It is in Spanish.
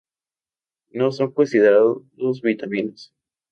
No son considerados vitaminas.